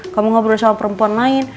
kamu ngobrol sama perempuan lain